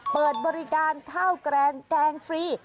เปิดบริการข้าวแกงแกงฟรี